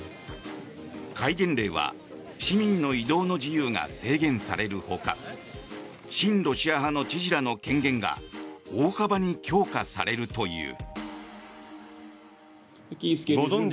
戒厳令は市民の移動の自由が制限されるほか親ロシア派の知事らの権限が大幅に強化されるという。